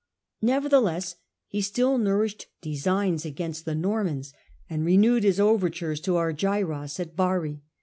Nevertheless he still nourished designs against the Normans, and renewed his overtures to Argyros at Bari.